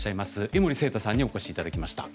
江守正多さんにお越しいただきました。